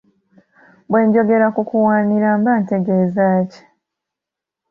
Bwe njogera ku kuwanira mba ntegeeza ki?